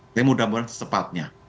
tapi mudah mudahan secepatnya